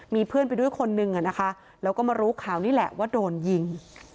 มีเพื่อนไปด้วยคนนึงแล้วก็มารู้ข่าวนี่แหละว่าโดนยิง